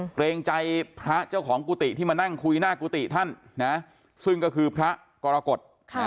เกรงใจพระเจ้าของกุฏิที่มานั่งคุยหน้ากุฏิท่านนะซึ่งก็คือพระกรกฎ